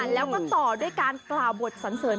แล้วก็ต่อด้วยการกล่าวบทสันเสริญ